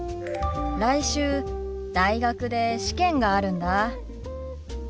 来週大学で試験があるんだ。